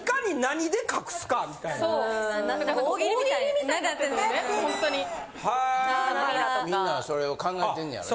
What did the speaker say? みんなそれを考えてんねんやろね。